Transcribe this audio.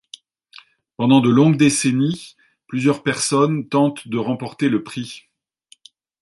Pendant de longues décennies, plusieurs personnes tentent de remporter le prix.